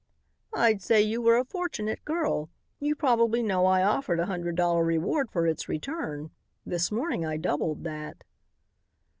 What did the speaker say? "I'd say you were a fortunate girl. You probably know I offered a hundred dollar reward for its return. This morning I doubled that."